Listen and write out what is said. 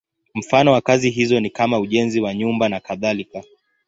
Mfano wa kazi hizo ni kama ujenzi wa nyumba nakadhalika.